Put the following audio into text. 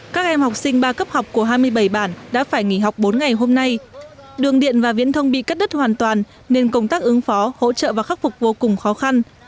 các em học sinh ba cấp học của hai mươi bảy bản đã phải nghỉ học bốn ngày hôm nay đường điện và viễn thông bị cắt đứt hoàn toàn nên công tác ứng phó hỗ trợ và khắc phục vô cùng khó khăn